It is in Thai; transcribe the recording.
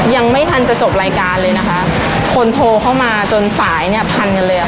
ยังไม่ทันจะจบรายการเลยนะคะคนโทรเข้ามาจนสายเนี่ยพันกันเลยค่ะ